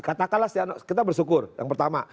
katakanlah kita bersyukur yang pertama